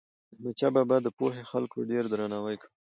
احمدشاه بابا به د پوهې د خلکو ډېر درناوی کاوه.